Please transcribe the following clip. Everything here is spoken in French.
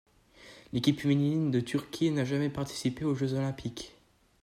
L'équipe féminine de Turquie n'a jamais participé aux Jeux olympiques.